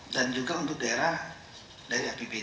dan juga untuk daerah dari apbd